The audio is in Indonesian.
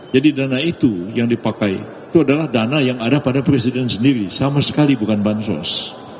jadi dana itu yang dipakai itu adalah dana yang ada pada presiden sendiri sama sekali bukan bansos